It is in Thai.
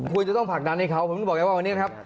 คุณจะต้องผ่านดำให้เขาผมจะบอกแบบว่าวันนี้ครับ